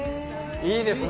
いいですね！